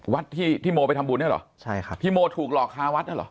วัดที่ที่โมไปทำบุญเนี่ยเหรอใช่ครับที่โมถูกหลอกค้าวัดน่ะเหรอ